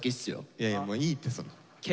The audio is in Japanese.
いやいやもういいってそれ。